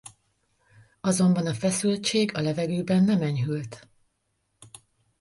Azonban a feszültség a levegőben nem enyhült.